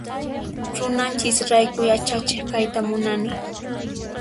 Runanchis rayku yachachiq kayta munani.